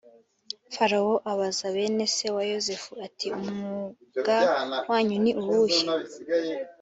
farawo abaza bene se wa yosefu ati “umwuga wanyu ni uwuhe?”